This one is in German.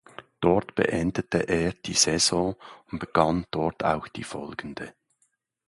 Dort beendete er die Saison und begann dort auch die folgende.